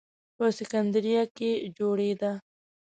په سکندریه کې جوړېده.